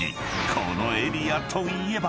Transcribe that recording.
［このエリアといえば］